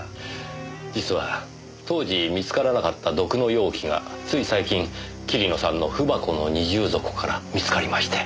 実は当時見つからなかった毒の容器がつい最近桐野さんの文箱の二重底から見つかりまして。